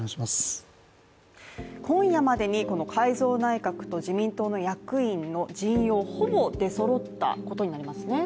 今夜までにこの改造内閣と自民党の役員の陣容ほぼ出そろったことになりますね。